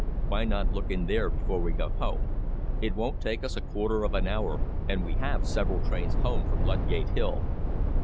Why not look in there before we go home? It won't take us a quarter of an hour, and we have several trains home from Ludgate Hill."